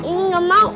ini gak mau